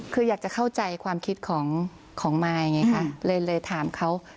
คืออยากจะเข้าใจความคิดของมายไงคะเลยถามเขา